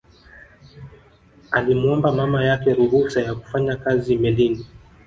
Alimuomba mama yake ruhusa ya kufanya kazi melini